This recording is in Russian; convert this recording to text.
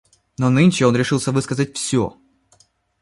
Но нынче он решился высказать всё.